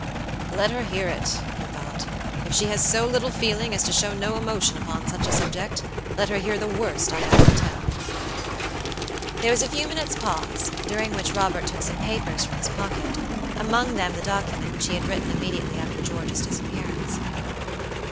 "Let her hear it," he thought. "If she has so little feeling as to show no emotion upon such a subject, let her hear the worst I have to tell." There was a few minutes' pause, during which Robert took some papers from his pocket; among them the document which he had written immediately after George's disappearance.